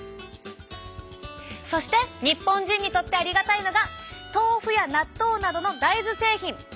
そして日本人にとってありがたいのが豆腐や納豆などの大豆製品！